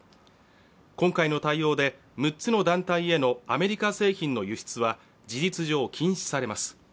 今回の対応で６つの団体へのアメリカ製品の輸出は事実上禁止されます。